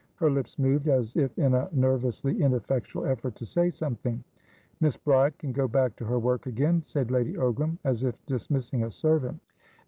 Her lips moved, as if in a nervously ineffectual effort to say something. "Miss Bride can go back to her work again," said Lady Ogram, as if dismissing a servant.